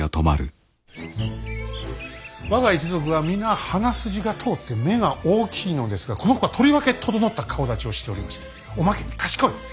我が一族は皆鼻筋が通って目が大きいのですがこの子はとりわけ整った顔だちをしておりましておまけに賢い。